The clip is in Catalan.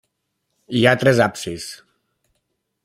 Hi ha tres absis.